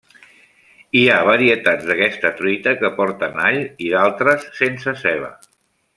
Hi ha varietats d'aquesta truita que porten all i d'altres sense ceba.